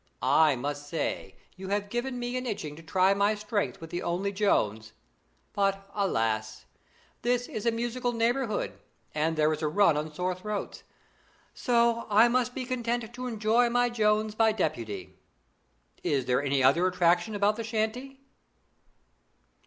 I must say you have given me an itching to try my strength with the only Jones; but, alas! this is a musical neighbourhood, and there is a run on sore throats, so I must be content to enjoy my Jones by deputy. Is there any other attraction about the shanty?"